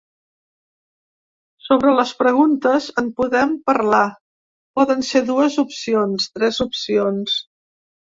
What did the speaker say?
Sobre les preguntes en podem parlar: poden ser dues opcions, tres opcions.